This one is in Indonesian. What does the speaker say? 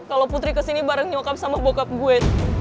kalau putri kesini bareng nyokap sama bokap gue